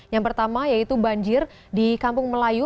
yang pertama yaitu banjir di kampung melayu